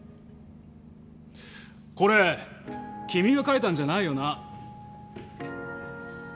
これ君が書いたんじゃないよな？